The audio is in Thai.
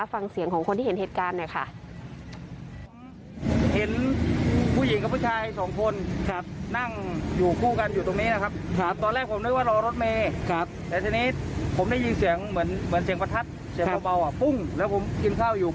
ฟังเสียงของคนที่เห็นเหตุการณ์หน่อยค่ะ